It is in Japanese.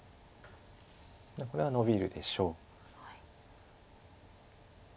これはノビるでしょう。